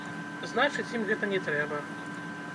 Значыць ім гэта не трэба.